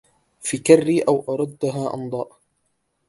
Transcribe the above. فِكَري أو أردَّها أنضاءَ